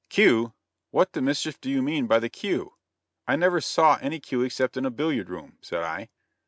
"Cue! What the mischief do you mean by the cue? I never saw any cue except in a billiard room," said I.